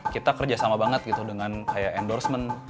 kita kerjasama banget gitu dengan kayak endorsement